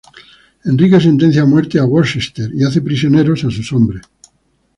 Enrique sentencia a muerte a Worcester y hace prisioneros a sus hombres.